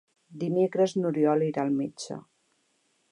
Dimecres n'Oriol irà al metge.